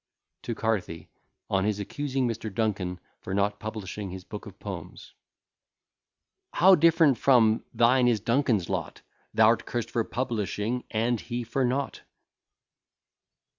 TO CARTHY On his accusing Mr. Dunkin for not publishing his book of Poems. How different from thine is Dunkin's lot! Thou'rt curst for publishing, and he for not.